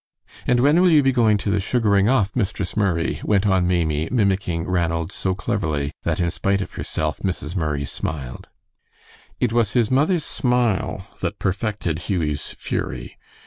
"And when will you be going to the sugaring off, Mistress Murray?" went on Maimie, mimicking Ranald so cleverly that in spite of herself Mrs. Murray smiled. It was his mother's smile that perfected Hughie's fury.